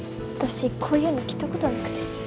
私こういうの着た事なくて。